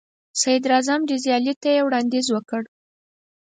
صدراعظم ډیزراییلي ته یې وړاندیز وکړ.